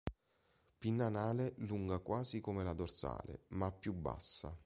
Pinna anale lunga quasi come la dorsale ma più bassa.